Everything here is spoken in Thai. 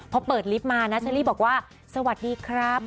พอเปิดลิฟต์มานะเชอรี่บอกว่าสวัสดีครับ